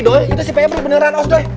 pero itu sih pebri beneran